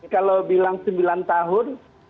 kalau bilang sembilan tahun